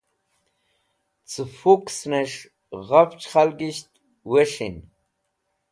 Ce Fuxnes̃h Ghafch khalgisht Wes̃hin